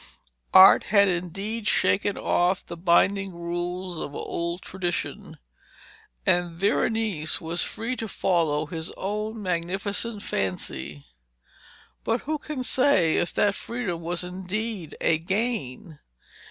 Art had indeed shaken off the binding rules of old tradition, and Veronese was free to follow his own magnificent fancy. But who can say if that freedom was indeed a gain?